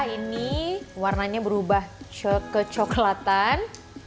ini warnanya berubah kecoklatan